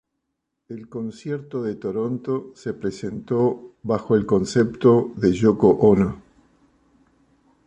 El concierto de Toronto se presentó bajo el concepto de Yoko Ono.